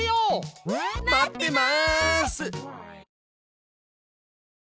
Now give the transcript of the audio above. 待ってます！